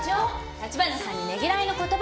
立花さんにねぎらいの言葉。